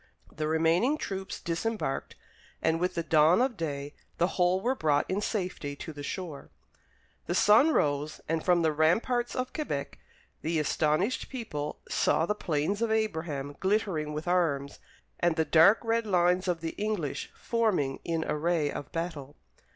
The remaining troops disembarked, and with the dawn of day, the whole were brought in safety to the shore. The sun rose, and from the ramparts of Quebec the astonished people saw the Plains of Abraham glittering with arms, and the dark red lines of the English forming in array of battle.